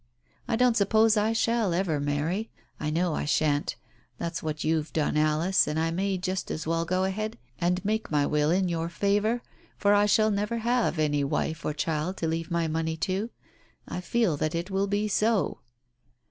I don't sup pose I shall ever marry. I know I shan't. That's what you've done, Alice, and I may just as well go away and make my will in your favour, for I shall never have any wife or child to leave my money to. I feel that it will be so."